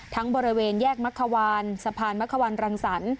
บริเวณแยกมะควานสะพานมะควันรังสรรค